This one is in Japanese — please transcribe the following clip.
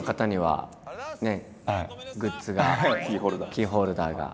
キーホルダーです。